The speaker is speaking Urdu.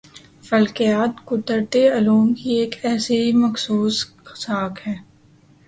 فلکیات قُدرتی علوم کی ایک ایسی مخصُوص شاخ ہے